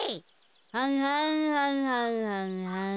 はんはんはんはんはんはん。